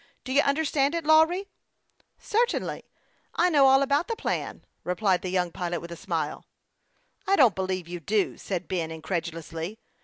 Do you understand it, Lawry ?"" Certainly ; I know all about the plan," replied the young pilot, with a smile. " I don't believe you do," said Ben, incredulously.